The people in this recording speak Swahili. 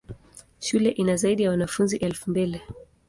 Shule ina zaidi ya wanafunzi elfu mbili.